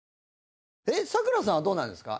サクラさんはどうなんですか？